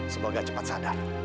semoga cepat sadar